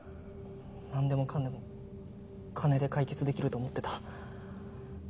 なんでもかんでも金で解決できると思ってた。